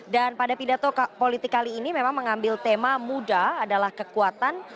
dan pada pidato politik kali ini memang mengambil tema muda adalah kekuatan